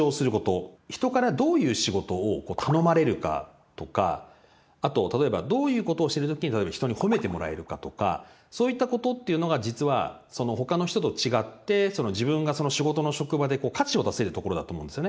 人からどういう仕事を頼まれるかとかあと例えばどういうことをしてる時に例えば人に褒めてもらえるかとかそういったことっていうのが実は他の人と違って自分がその仕事の職場で価値を出せるところだと思うんですよね。